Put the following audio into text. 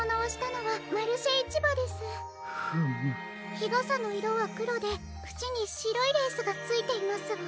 日がさのいろはくろでふちにしろいレースがついていますわ。